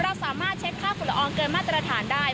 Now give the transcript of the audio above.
เราสามารถเช็คค่าฝุ่นละอองเกินมาตรฐานได้